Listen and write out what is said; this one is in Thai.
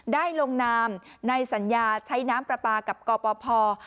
ได้ลงนามในสัญญาชัยน้ำประปากับกรปพอร์